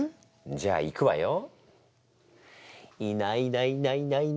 じゃあいくわよ。